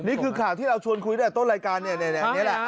นี่คือข่าวที่เราชวนคุยได้ต้นรายการนี้แหละ